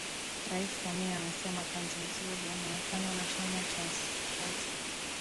Rais Samia amesema kazi nzuri inayofanywa na Chama cha Skauti